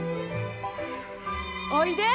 おいで。